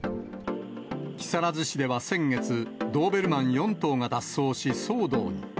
木更津市では先月、ドーベルマン４頭が脱走し、騒動に。